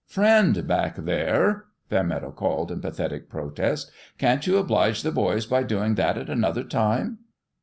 " Friend, back there 1 " Fairmeadow called, in pathetic protest, " can't you oblige the boys by doing that at another time?"